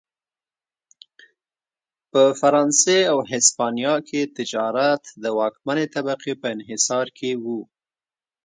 په فرانسې او هسپانیا کې تجارت د واکمنې طبقې په انحصار کې و.